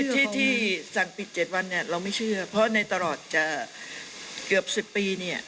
ที่สั่งปิด๗วันเราไม่เชื่อเพราะในตลอดจะเกือบ๑๐ปีเนี่ย